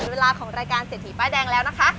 เวลาของรายการเศรษฐีป้ายแดงแล้วนะคะ